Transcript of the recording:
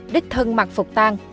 đích thân mặt phục tan